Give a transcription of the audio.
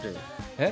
えっ？